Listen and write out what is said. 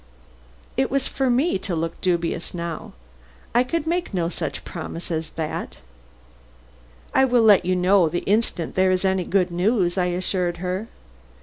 It was for me to look dubious now. I could make no such promise as that. "I will let you know the instant there is any good news," I assured her.